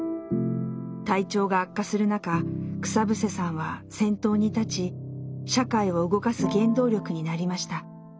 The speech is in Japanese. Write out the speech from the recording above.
体調が悪化する中草伏さんは先頭に立ち社会を動かす原動力になりました。